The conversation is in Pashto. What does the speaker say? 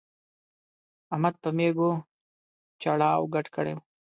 احمد په مېږو چړاو ګډ کړی وو.